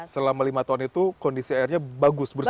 selama lima tahun itu kondisi airnya bagus bersih